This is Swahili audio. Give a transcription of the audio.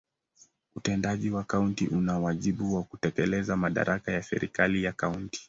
Utendaji wa kaunti una wajibu wa kutekeleza madaraka ya serikali ya kaunti.